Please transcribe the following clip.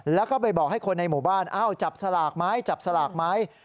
แล้วก็ไปบอกให้คนในหมู่บ้านอ้าวจับสลากไหมจับสลากไหม